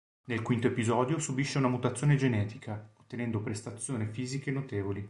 Nel quinto episodio subisce una mutazione genetica, ottenendo prestazioni fisiche notevoli.